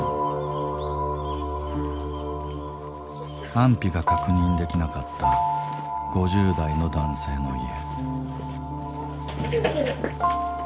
安否が確認できなかった５０代の男性の家。